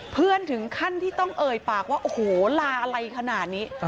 ถึงขั้นที่ต้องเอ่ยปากว่าโอ้โหลาอะไรขนาดนี้